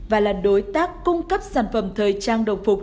và là đối tác cung cấp sản phẩm thời trang đồng phục